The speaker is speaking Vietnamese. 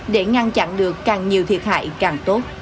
để ngăn chặn được càng nhiều thiệt hại càng tốt